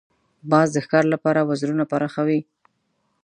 باز د ښکار لپاره وزرونه پراخوي